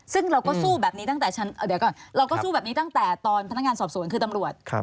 ซึ่งเราก็สู้แบบนี้ตั้งแต่